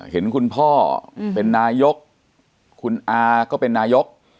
เห็นคุณพ่อเป็นนายกคุณอาก็เป็นนายก